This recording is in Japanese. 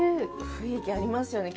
雰囲気ありますよね。